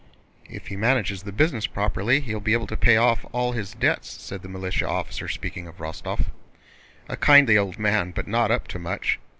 "If he manages the business properly he will be able to pay off all his debts," said the militia officer, speaking of Rostóv. "A kindly old man but not up to much.